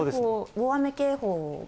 大雨警報が、